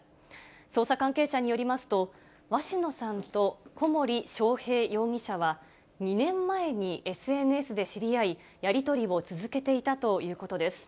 捜査関係者によりますと、鷲野さんと小森章平容疑者は、２年前にＳＮＳで知り合い、やり取りを続けていたということです。